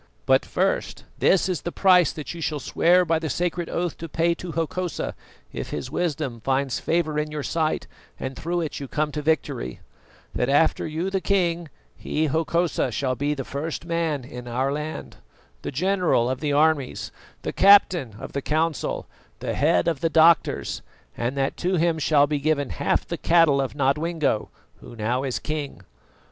But first, this is the price that you shall swear by the sacred oath to pay to Hokosa, if his wisdom finds favour in your sight and through it you come to victory: That after you, the king, he, Hokosa, shall be the first man in our land, the general of the armies, the captain of the council, the head of the doctors, and that to him shall be given half the cattle of Nodwengo, who now is king.